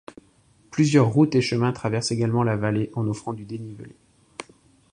Plusieurs routes et chemins traversent également la vallée en offrant du dénivelé.